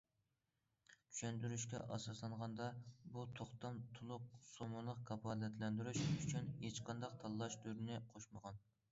چۈشەندۈرۈشكە ئاساسلانغاندا، بۇ توختام تولۇق سوممىلىق كاپالەتلەندۈرۈش ئۈچۈن ھېچقانداق تاللاش تۈرىنى قوشمىغان.